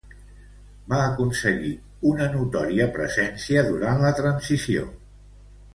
Va aconseguir una notòria presència durant la transició.